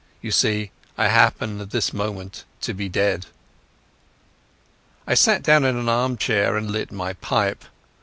You see, I happen at this moment to be dead." I sat down in an armchair and lit my pipe.